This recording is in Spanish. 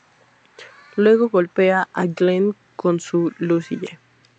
Luego golpea a Glenn con su Lucille.